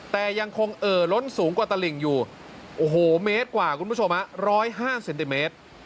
แต่ยังคงเอ่อล้นสูงกว่าตลิ่งอยู่โอ้โหเมตรกว่าคุณผู้ชม๑๐๕เซนติเมตร